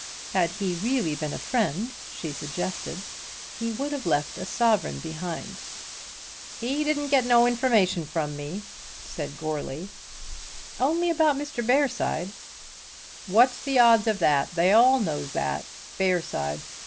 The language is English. Had he really been a friend, she suggested, he would have left a sovereign behind him. "He didn't get no information from me," said Goarly. "Only about Mr. Bearside." "What's the odds of that? They all knows that. Bearside!